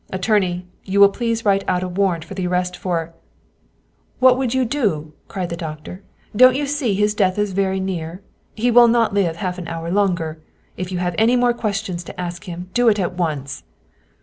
" Attorney, you will please write out a warrant of arrest for %" What would you do ?" cried the doctor. " Don't you see his death is very near? He will not live half an hour longer. If you have any more questions to ask him, do it at once."